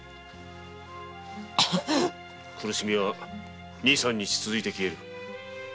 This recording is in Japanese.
苦しみは二三日続いて消える。